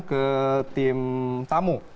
ke tim tamu